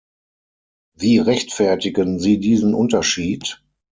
Wie rechtfertigen Sie diesen Unterschied?